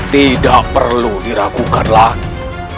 tidak perlu diragukan lagi